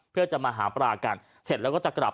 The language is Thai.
เพื่อจะมาหาปลากันเสร็จแล้วก็จะกลับ